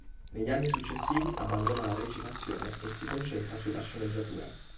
Negli anni successivi abbandona la recitazione e si concentra sulla sceneggiatura.